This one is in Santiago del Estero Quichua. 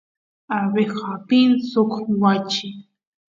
abeja apin suk wachi